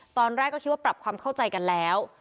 ตอนแรกก็คิดว่าปรับความเข้าใจกันแล้ว